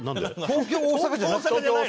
東京と大阪じゃないの？